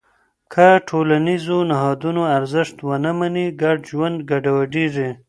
که د ټولنیزو نهادونو ارزښت ونه منې، ګډ ژوند ګډوډېږي.